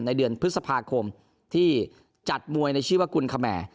ในเดือนพฤษภาคมที่จัดมวยในชื่อว่ากุลคแมร์